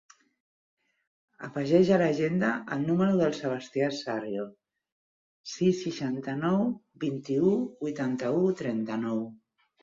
Afegeix a l'agenda el número del Sebastian Sarrio: sis, seixanta-nou, vint-i-u, vuitanta-u, trenta-nou.